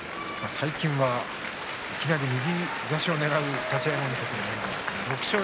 最近は右差しをねらう立ち合いも見せている遠藤です。